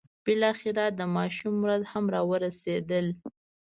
بالاخره د ماشوم ورځ هم را ورسېده.